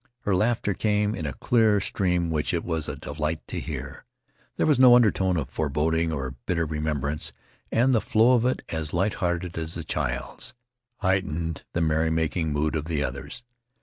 Her laughter came in a clear stream which it was a delight to hear. There was no undertone of foreboding or bitter remembrance, and the flow of it, as light hearted as a child's, heightened the merry making mood of the others.